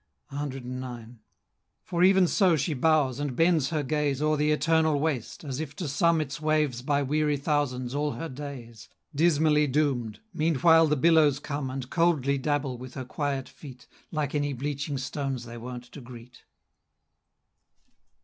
CIX. For even so she bows, and bends her gaze O'er the eternal waste, as if to sum Its waves by weary thousands all her days, Dismally doom'd! meanwhile the billows come, And coldly dabble with her quiet feet, Like any bleaching stones they wont to greet.